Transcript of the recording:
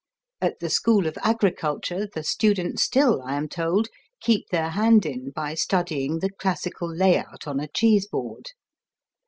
At the School of Agriculture the students still, I am told, keep their hand in by studying the classical layout on a cheese board.